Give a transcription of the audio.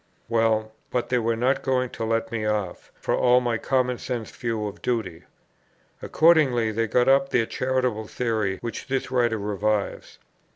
Well, but they were not going to let me off, for all my common sense view of duty. Accordingly they got up the charitable theory which this Writer revives.